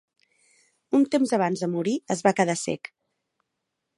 Un temps abans de morir es va quedar cec.